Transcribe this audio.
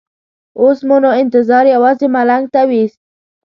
اوس مو نو انتظار یوازې ملنګ ته وېست.